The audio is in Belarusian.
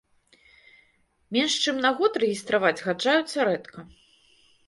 Менш чым на год рэгістраваць згаджаюцца рэдка.